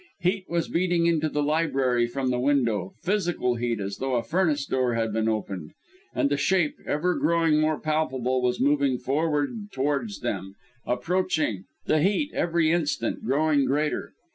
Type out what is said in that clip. Heat was beating into the library from the window physical heat, as though a furnace door had been opened ... and the shape, ever growing more palpable, was moving forward towards them approaching the heat every instant growing greater.